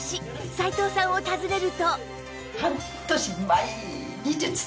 齋藤さんを訪ねると